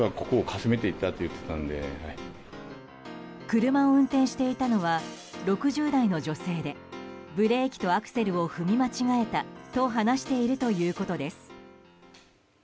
車を運転していたのは６０代の女性でブレーキとアクセルを踏み間違えたと話しているということです。